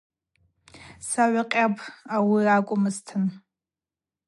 Сагӏвкъьапӏ ауи акӏвмызтын.